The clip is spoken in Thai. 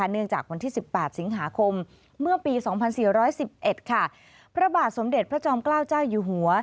เนื่องจากวันที่๑๘สิงหาคมเมื่อปี๒๔๑๑ค่ะพระบาทสมเด็จพระจอมเกล้าเจ้าอยู่หัว